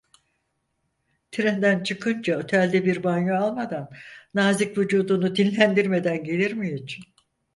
Trenden çıkınca otelde bir banyo almadan, nazik vücudunu dinlendirmeden gelir mi hiç?